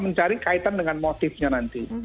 mencari kaitan dengan motifnya nanti